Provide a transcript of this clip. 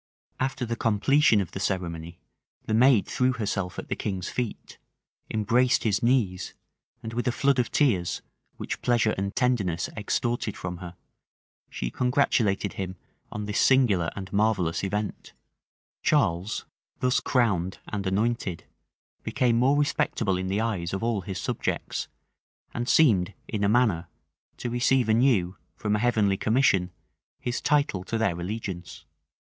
After the completion of the ceremony, the maid threw herself at the king's feet, embraced his knees, and with a flood of tears, which pleasure and tenderness extorted from her, she congratulated him on this singular and marvellous event. * Monstrelet, vol. ii. p. 48. Charles, thus crowned and anointed, became more respectable in the eyes of all his subjects, and seemed, in a manner, to receive anew, from a heavenly commission, his title to their allegiance.